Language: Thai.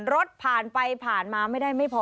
รถผ่านไปผ่านมาไม่ได้ไม่พอ